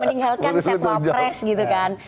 meninggalkan sepoa pres gitu kan